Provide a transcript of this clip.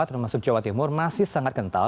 termasuk jawa timur masih sangat kental